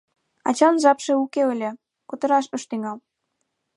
Ачан жапше уке ыле, кутыраш ыш тӱҥал.